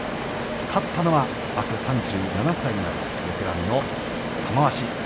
勝ったのはあす３７歳になるベテランの玉鷲。